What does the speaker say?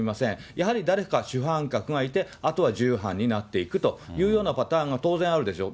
やはり誰か主犯格がいて、あとは従犯になっていくというようなパターンが当然あるでしょう。